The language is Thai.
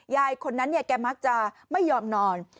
ยายคนนั้นแกมักจะไม่ยอมนอน